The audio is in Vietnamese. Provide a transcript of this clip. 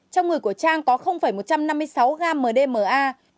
trong người của trang có một trăm năm mươi sáu gam mdma